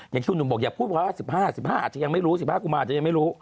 อย่างที่คุณบอกอย่าพูดเพราะว่า๑๕๑๕